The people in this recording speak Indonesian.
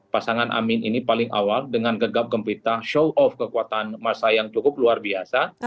pasangan amin ini paling awal dengan gegap gempita show off kekuatan masa yang cukup luar biasa